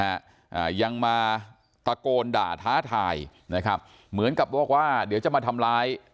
อ่ายังมาตะโกนด่าท้าทายนะครับเหมือนกับบอกว่าเดี๋ยวจะมาทำร้าย